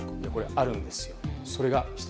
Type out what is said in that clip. あるんですよ。